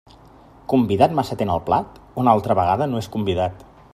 Convidat massa atent al plat, una altra vegada no és convidat.